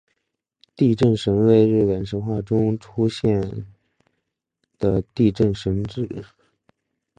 地震神为日本神话中出现的地震神只。